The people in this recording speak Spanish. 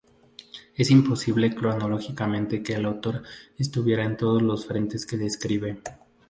Es imposible cronológicamente que el autor estuviera en todos los frentes que describe.